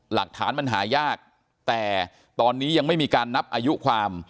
หลักฐานมันหายากแต่ตอนนี้ยังไม่มีการนับอายุความ